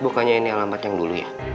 bukannya ini alamat yang dulu ya